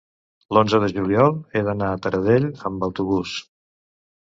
l'onze de juliol he d'anar a Taradell amb autobús.